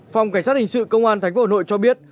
phòng cảnh sát hình sự công an tp hà nội cho biết